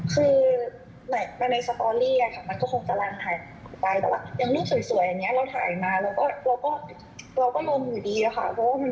คือมันไม่ได้ตั้งใจว่ามันจะเกิดดรามมากขึ้น